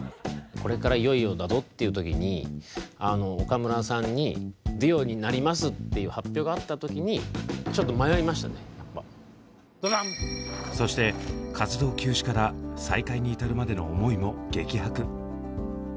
これからいよいよだぞっていう時に岡村さんに「デュオになります」っていう発表があった時にそして活動休止から再開に至るまでの思いも激白。